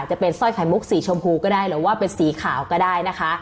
จะเป็นสร้อยไข่มุกสีชมพูก็ได้หรือว่าเป็นสีขาวก็ได้นะคะ